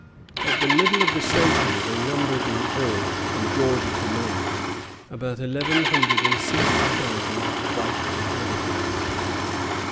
At the middle of the century they numbered in all, from Georgia to Maine, about eleven hundred and sixty thousand white inhabitants.